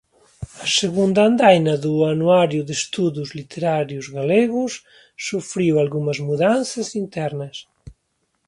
A segunda andaina do "Anuario de Estudos Literarios Galegos" sufriu algunhas mudanzas internas.